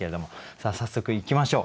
さあ早速いきましょう。